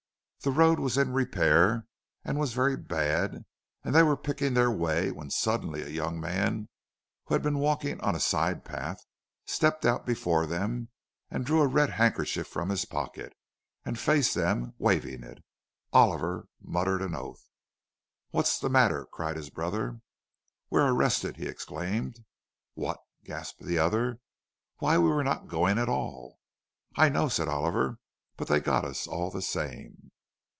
The road was in repair, and was very bad, and they were picking their way, when suddenly a young man who had been walking on a side path stepped out before them, and drew a red handkerchief from his pocket, and faced them, waving it. Oliver muttered an oath. "What's the matter?" cried his brother. "We're arrested!" he exclaimed. "What!" gasped the other. "Why, we were not going at all." "I know," said Oliver; "but they've got us all the same."